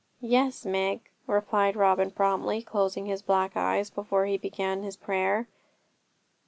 'Yes, Meg,' replied Robin promptly, closing his black eyes before he began his prayer.